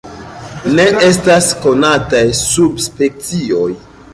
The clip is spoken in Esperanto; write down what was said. Ne estas konataj subspecioj.